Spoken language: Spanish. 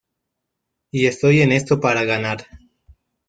Y estoy en esto para ganar".